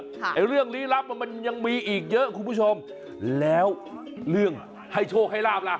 ไอ้เรื่องลี้ลับมันยังมีอีกเยอะคุณผู้ชมแล้วเรื่องให้โชคให้ลาบล่ะ